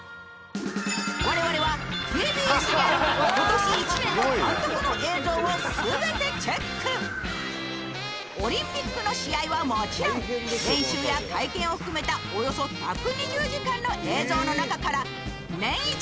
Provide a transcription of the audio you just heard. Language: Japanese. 我々はＴＢＳにあるオリンピックの試合はもちろん練習や会見を含めたおよそ１２０時間の映像の中からネンイチ！